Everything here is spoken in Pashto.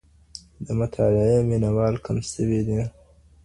د مطالعې مينه وال کم سوي دي.